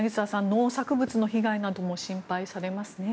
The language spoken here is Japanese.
農作物の被害なども心配されますね。